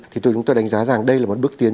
thì tôi chúng tôi đánh giá rằng đây là một bước tiến